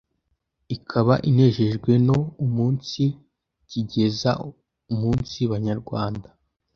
ikaba inejejwe no umunsikigeza umunsi Banyarwanda